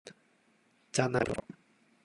真系佩服